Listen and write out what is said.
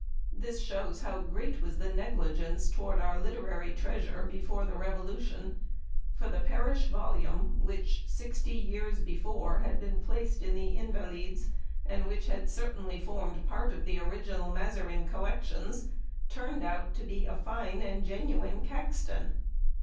This shows how great was the negligence towards our literary treasure before the Revolution; for the pariah volume, which, 60 years before, had been placed in the Invalides, and which had certainly formed part of the original Mazarin collections, turned out to be a fine and genuine Caxton."